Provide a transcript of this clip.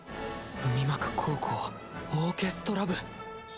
海幕高校オーケストラ部！